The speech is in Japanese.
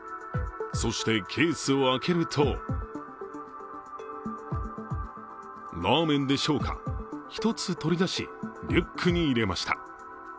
そして、ケースを開けると、ラーメンでしょうか、１つ取り出し、リュックに入れました。